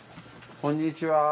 こんにちは